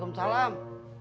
makasih ya bang